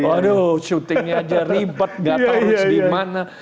aduh syutingnya aja ribet gak tau harus dimana